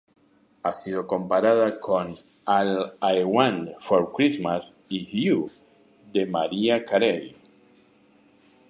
Ha sido comparada con "All I Want for Christmas is You" de Mariah Carey.